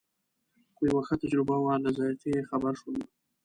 خو یوه ښه تجربه وه له ذایقې یې خبر شوم.